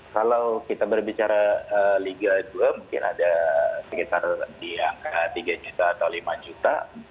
kalau kita berbicara liga dua mungkin ada sekitar di angka tiga juta atau lima juta